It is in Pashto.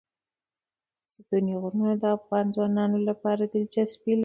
ستوني غرونه د افغان ځوانانو لپاره دلچسپي لري.